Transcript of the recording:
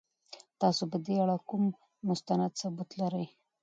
تاسو په دې اړه کوم مستند ثبوت لرئ؟